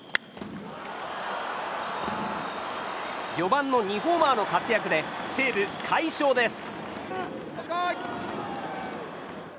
４番の２ホーマーの活躍で西武、快勝です。